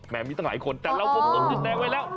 แม่มีตั้งหลายคนแต่เราก็มันชุดแตกไว้แล้ว